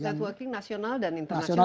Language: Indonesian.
networking nasional dan internasional